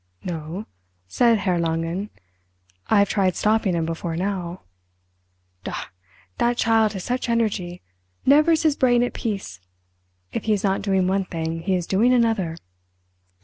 "No," said Herr Langen; "I've tried stopping him before now." "Da, that child has such energy; never is his brain at peace. If he is not doing one thing, he is doing another!"